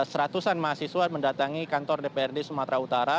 seratusan mahasiswa mendatangi kantor dprd sumatera utara